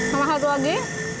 sama satu lagi